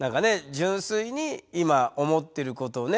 純粋に今思ってることをね